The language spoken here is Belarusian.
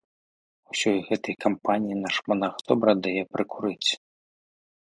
Усёй гэтай кампаніі наш манах добра дае прыкурыць.